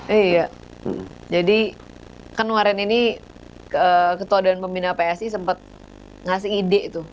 iya jadi kan kemarin ini ketua dan pembina psi sempat ngasih ide tuh